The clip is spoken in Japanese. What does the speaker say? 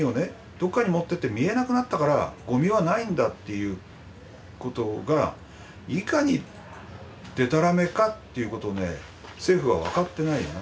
どっかに持ってって見えなくなったからゴミはないんだっていうことがいかにでたらめかっていうことを政府は分かってないよな。